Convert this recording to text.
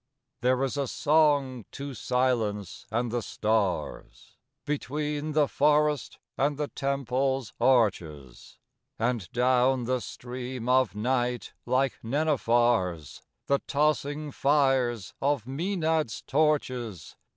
III There is a song to silence and the stars, Between the forest and the temple's arches; And down the stream of night, like nenuphars, The tossing fires of the Mænads' torches.